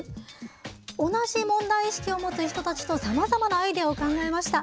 同じ問題意識を持つ人たちとさまざまなアイデアを考えました。